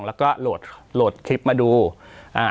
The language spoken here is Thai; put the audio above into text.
แล้วก็โหลดโหลดคลิปมาดูอ่า